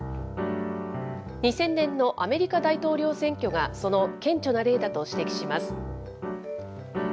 ２０００年のアメリカ大統領選挙が、その顕著な例だと指摘します。